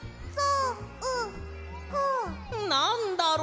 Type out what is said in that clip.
なんだろう？